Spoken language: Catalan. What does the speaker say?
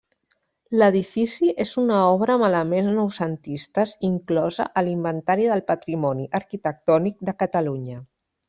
L'edifici és una obra amb elements noucentistes inclosa a l'Inventari del Patrimoni Arquitectònic de Catalunya.